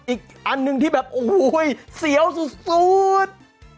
อีกอันหนึ่งที่แบบโอ้โหเสียวสุด